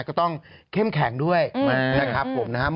ก็ต้องเข้มแข็งด้วยนะครับผมนะครับ